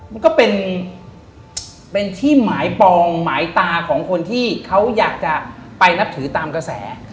มันก็เป็นที่หมายปองหมายตาของคนที่เขาอยากจะไปนับถือตามกระแส